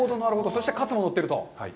そしてカツも乗っていると。